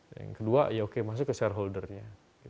yang kedua ya oke masuk ke shareholdernya